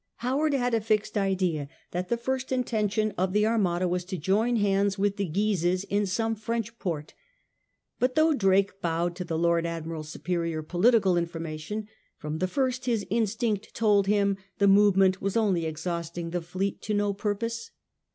Howard had a fixed idea that 144 SIR FRANCIS DRAKE chap. the first intention of the Armada was to join hands with the Guises in some French port; but though Drake bowed to the Lord Admiral's superior political informa tion, from the first his instinct told him the move ment was only exhausting the fleet to no purpose.